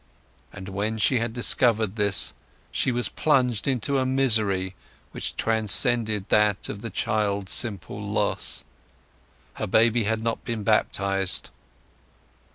And when she had discovered this she was plunged into a misery which transcended that of the child's simple loss. Her baby had not been baptized.